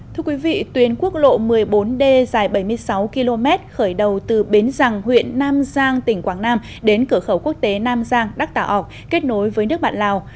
thưa quý vị tuyến quốc lộ một mươi bốn d dài bảy mươi sáu km khởi đầu từ bến rằng huyện nam giang tỉnh quảng nam đến cửa khẩu quốc tế nam giang đắc tà ốc kết nối với nước bạn lào